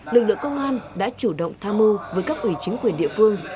lực lượng công an đã chủ động tham mưu với các ủy chính quyền địa phương